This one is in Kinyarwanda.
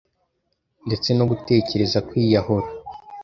ndetse no gutekereza kwiyahura